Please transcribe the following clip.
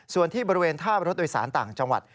ส่วนที่บริเวณท่ารถโดยสารต่างจังหวัด